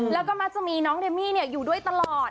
แล้วก็มักจะมีน้องเมมี่อยู่ด้วยตลอด